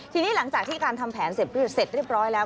ทีนี้หลังจากที่การทำแผนเสร็จเรียบร้อยแล้ว